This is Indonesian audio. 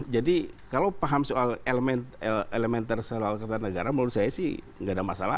jadi kalau paham soal elemen tersebut soal ketatanegaraan menurut saya sih nggak ada masalah